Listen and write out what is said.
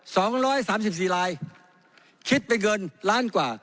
สองร้อยสามสิบสี่ลายคิดเป็นเงินล้านกว่า